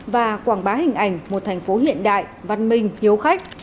và quảng bá hình ảnh một thành phố hiện đại văn minh hiếu khách